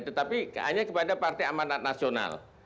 tetapi hanya kepada partai amanat nasional